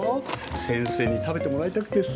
先生に食べてもらいたくてさ。